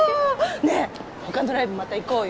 ねえほかのライブもまた行こうよ！